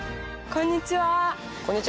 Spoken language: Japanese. こんにちは。